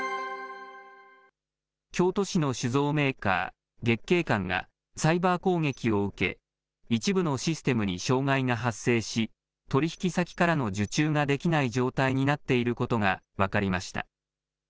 京都市の酒造メーカー、月桂冠がサイバー攻撃を受け、一部のシステムに障害が発生し、取り引き先からの受注ができない状態になっていることが分かりました。